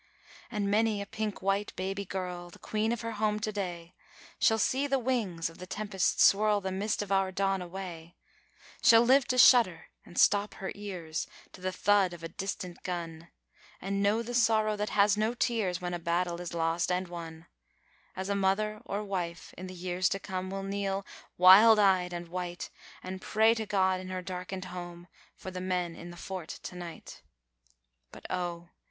And many a pink white baby girl, the queen of her home to day, Shall see the wings of the tempest whirl the mist of our dawn away Shall live to shudder and stop her ears to the thud of the distant gun, And know the sorrow that has no tears when a battle is lost and won, As a mother or wife in the years to come, will kneel, wild eyed and white, And pray to God in her darkened home for the 'men in the fort to night'. ..... But, oh!